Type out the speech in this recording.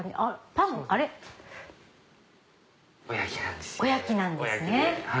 おやきなんですね。